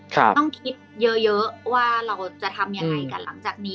ต้องคิดเยอะว่าเราจะทำยังไงกันหลังจากนี้